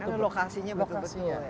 karena lokasinya betul betul ya